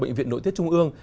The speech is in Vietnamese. nội tiết trung ương